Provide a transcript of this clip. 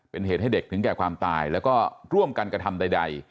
เป็นเหตุให้เด็กถึงแก่ความตายแล้วก็ร่วมกันกระทำใด